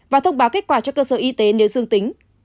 và thông báo kết quả cho cơ sở y tế nếu dương tính